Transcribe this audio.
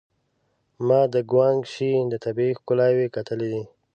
ما د ګوانګ شي طبيعي ښکلاوې کتلې وې.